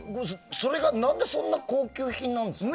それが何でそんな高級品なんですか。